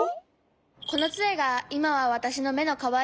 このつえがいまはわたしのめのかわり。